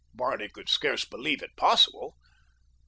Barney could scarce believe it possible.